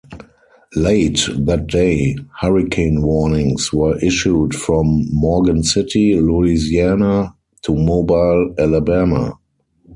Late that day, hurricane warnings were issued from Morgan City, Louisiana, to Mobile, Alabama.